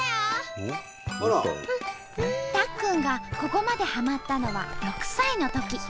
たっくんがここまではまったのは６歳のとき。